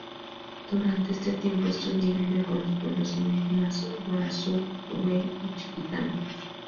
Durante este tiempo estudia y vive con los pueblos indígenas Guarasug’wë y Chiquitano.